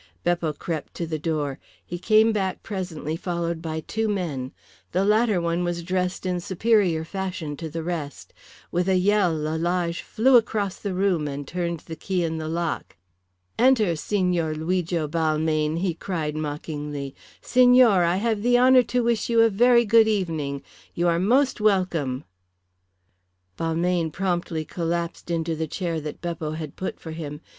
Beppo crept to the door. He came back presently followed by two men. The latter one was dressed in superior fashion to the rest. With a yell Lalage flew across the room and turned the key in the lock. "Enter, Signor Luigo Balmayne," he cried mockingly. "Signor, I have the honour to wish you a very good evening. You are most welcome." Balmayne promptly collapsed into the chair that Beppo had put for him.